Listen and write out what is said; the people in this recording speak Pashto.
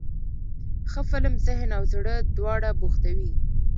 ښه فلم ذهن او زړه دواړه بوختوي.